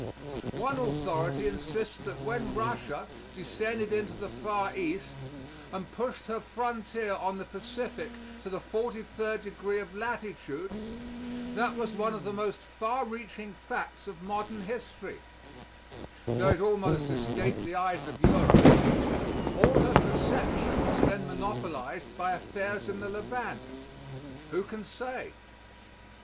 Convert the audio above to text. One authority insists that when Russia descended into the Far East and pushed her frontier on the Pacific to the forty third degree of latitude that was one of the most far reaching facts of modern history, tho it almost escaped the eyes of Europe all her perceptions then monopolized by affairs in the Levant. Who can say?